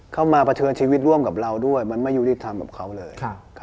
มาเผชิญชีวิตร่วมกับเราด้วยมันไม่ยุติธรรมกับเขาเลย